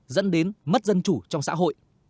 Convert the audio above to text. dẫn đến mất dân chủ trong xã hội